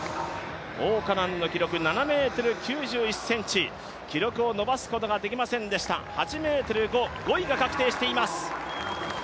王嘉男の記録、７ｍ９１ｃｍ、記録を伸ばすことができませんでした、８ｍ５５位が確定しています。